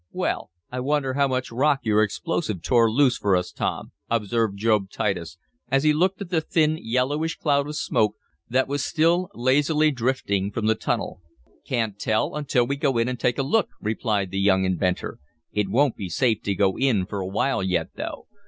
"Well, I wonder how much rock your explosive tore loose for us, Tom," observed Job Titus, as he looked at the thin, yellowish cloud of smoke that was still lazily drifting from the tunnel. "Can't tell until we go in and take a look," replied the young inventor. "It won't be safe to go in for a while yet, though.